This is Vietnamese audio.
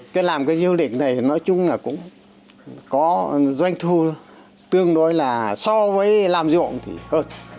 cái làm cái du lịch này nói chung là cũng có doanh thu tương đối là so với làm ruộng thì hơn